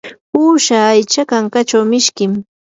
uusha aycha kankachaw mishkim.